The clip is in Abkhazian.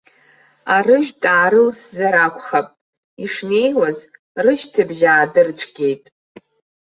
Арыжәтә аарылсзар акәхап, ишнеиуаз, рышьҭыбжь аадырцәгьеит.